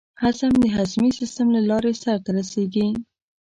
هضم د هضمي سیستم له لارې سر ته رسېږي.